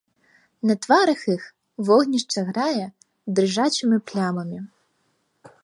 На тварах іх вогнішча грае дрыжачымі плямамі.